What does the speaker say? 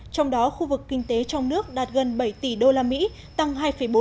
trong đó khu vực kinh tế trong nước đạt gần bảy tỷ usd tăng hai bốn